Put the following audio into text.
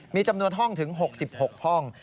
มีจำนวนห้องถึง๖๖ห้อง